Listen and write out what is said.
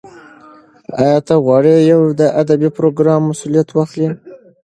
ایا ته غواړې د یو ادبي پروګرام مسولیت واخلې؟